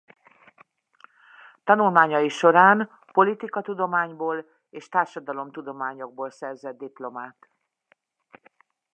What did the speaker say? Tanulmányai során politikatudományból és társadalomtudományokból szerzett diplomát.